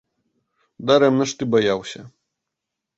Дарэмна ж ты баяўся.